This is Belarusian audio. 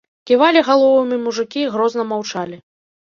Ківалі галовамі мужыкі і грозна маўчалі.